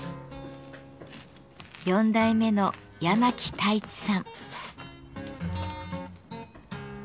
４代目の八巻太一さん。